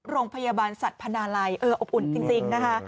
โรงพยาบาลสัตว์พนาลัยเอออบอุ่นจริงนะคะ